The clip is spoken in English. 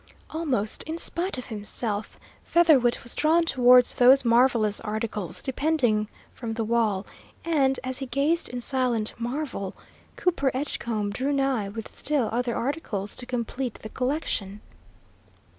Almost in spite of himself Featherwit was drawn towards those marvellous articles depending from the wall, and, as he gazed in silent marvel, Cooper Edgecombe drew nigh, with still other articles to complete the collection.